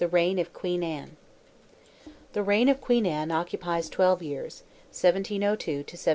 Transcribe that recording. REIGN OF QUEEN ANNE. The reign of Queen Anne occupies twelve years (1702 to 1714.